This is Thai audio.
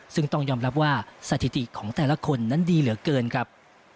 ซึ่งต้องยอมรับว่าสถิติของแต่ละคนนั้นดีเหลือเกินครับ